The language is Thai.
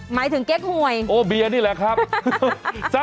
หมายถึงเก๊กหวยนี่แหละครับฮ่า